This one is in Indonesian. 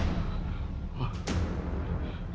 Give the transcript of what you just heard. adalah dari anda